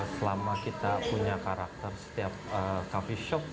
selama kita punya karakter setiap coffee shop